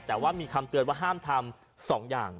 แต่ว่ามีคำเตือนว่าห้ามทำ๒อย่าง